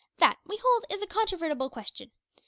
That, we hold, is a controvertible question.